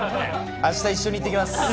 あした、一緒に行ってきます。